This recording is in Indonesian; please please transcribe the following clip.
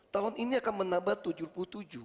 tahun ini akan menambah tujuh puluh tujuh